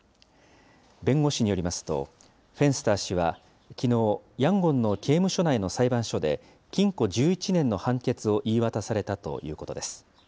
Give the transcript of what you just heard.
弁護士によりますと、フェンスター氏はきのう、ヤンゴンの刑務所内の裁判所で、禁錮１１年の判決を言い渡されたということです。